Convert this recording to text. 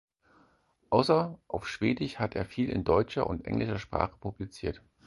Außer auf Schwedisch hat er viel in deutscher und in englischer Sprache publiziert.